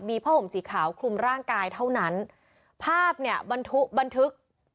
มีผ้าห่มสีขาวคลุมร่างกายเท่านั้นภาพเนี่ยบรรทุกบันทึก